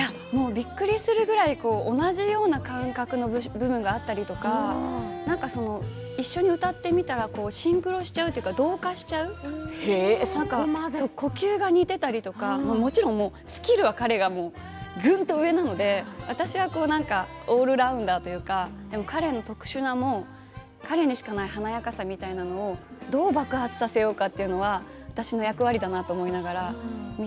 びっくりするくらい同じような感覚の部分だったりとか一緒に歌ってみたらシンクロしちゃうというか同化しちゃう呼吸が似たりとかもちろんスキルは彼がぐんと上なので私はオールラウンダーというか彼にしかない華やかさみたいなものをどう爆発させようかというのも私の役割だなと。